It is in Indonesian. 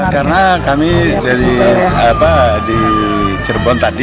karena kami di cirebon tadi